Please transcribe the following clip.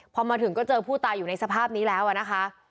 พอมาถึงก็เจอผู้ตายอยู่ในสภาพนี้แล้วนะคะ